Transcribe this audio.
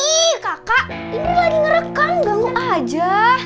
iiiii kakak ini lagi ngerekam ganggu aja